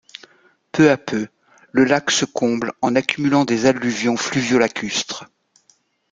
Peu à peu, le lac se comble en accumulant des alluvions fluvio-lacustres.